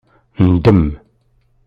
Ndem